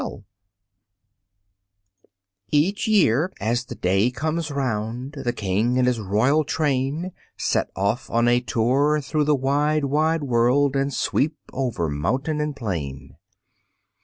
Each year, as the day comes round, The king and his royal train Set off on a tour through the wide wide world, And sweep over mountain and plain.